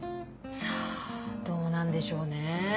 さぁどうなんでしょうね。